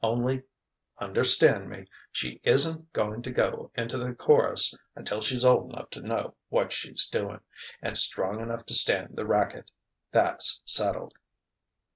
Only understand me she isn't going to go into the chorus until she's old enough to know what she's doin', and strong enough to stand the racket. That's settled."